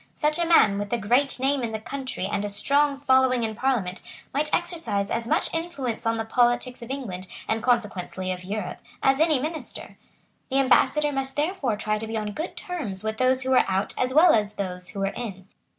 Such a man, with a great name in the country and a strong following in Parliament, might exercise as much influence on the politics of England, and consequently of Europe, as any minister. The Ambassador must therefore try to be on good terms with those who were out as well as with those who were in.